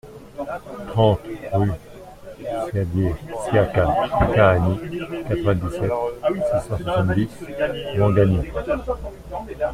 trente rUE MSAIDIE SIAKA KAHANI, quatre-vingt-dix-sept, six cent soixante-dix, Ouangani